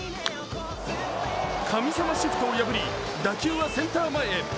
神様シフトを破り、打球はセンター前へ。